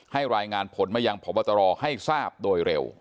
รายงานผลมายังพบตรให้ทราบโดยเร็ว